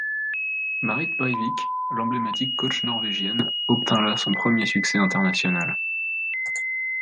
Marit Breivik, l'emblématique coach norvégienne, obtient là son premier succès international.